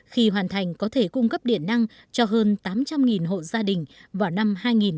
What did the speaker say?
khi hoàn thành có thể cung cấp điện năng cho hơn tám trăm linh hộ gia đình vào năm hai nghìn hai mươi